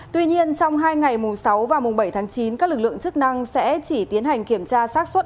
tuy nhiên trong hai ngày mùng sáu và mùng bảy tháng chín các lực lượng chức năng sẽ chỉ tiến hành kiểm tra sát xuất